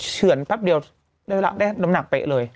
เฉือนแป๊บเดียวได้น้ำหนักเป๊ะเลย